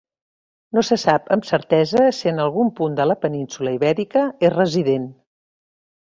No se sap amb certesa si en algun punt de la península Ibèrica és resident.